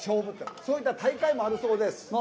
そういった大会もあるそうです。